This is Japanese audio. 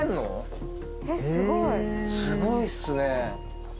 すごいっすね。